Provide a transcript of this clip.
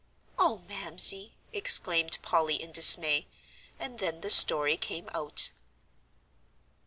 "Oh, Mamsie!" exclaimed Polly, in dismay. And then the story came out.